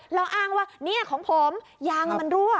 เราอ้างว่านี่ของผมยางมันรั่ว